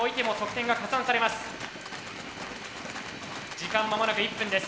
時間間もなく１分です。